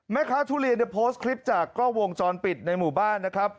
ทุเรียนได้โพสต์คลิปจากกล้องวงจรปิดในหมู่บ้านนะครับ